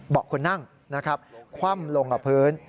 คนนั่งนะครับคว่ำลงกับพื้น